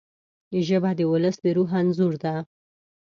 ژبه د ولس د روح انځور ده